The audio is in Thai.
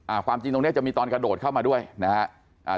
ความจริงตรงเนี้ยจะมีตอนกระโดดเข้ามาด้วยนะฮะอ่า